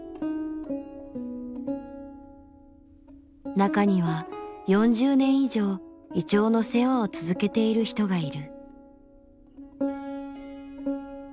中には４０年以上銀杏の世話を続けている人がいる。